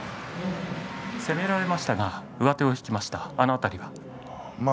攻められましたが上手を引きましたね。